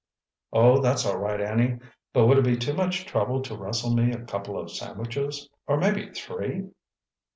"Oh, that's all right, Annie. But would it be too much trouble to rustle me a couple of sandwiches—or maybe three?"